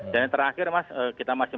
dan yang terakhir mas kita masih